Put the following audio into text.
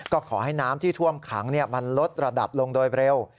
ก็ขอให้น้ำที่ท่วมขังมันลดระดับลงโดยเร็ว